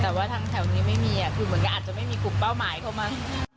แต่ว่าทางแถวนี้ไม่มีคือเหมือนกันอาจจะไม่มีกลุ่มเป้าหมายเข้ามา